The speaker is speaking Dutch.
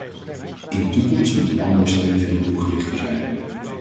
In de toekomst moet de landbouwsteun veel doelgerichter zijn.